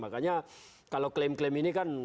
makanya kalau klaim klaim ini kan